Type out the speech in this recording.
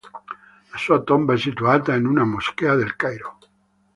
La sua tomba è situata in una moschea del Cairo.